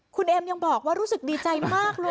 คุณเอมยังบอกว่ารู้สึกดีใจมากเลย